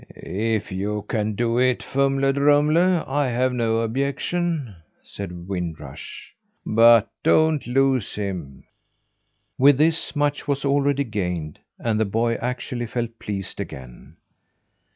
"If you can do it, Fumle Drumle, I have no objection," said Wind Rush. "But don't lose him!" With this, much was already gained, and the boy actually felt pleased again.